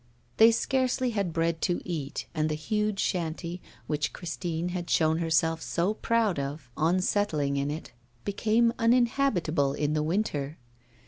They scarcely had bread to eat, and the huge shanty, which Christine had shown herself so proud of, on settling in it, became uninhabitable in the winter.